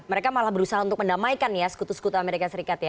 mereka malah berusaha untuk mendamaikan ya sekutu sekutu amerika serikat ya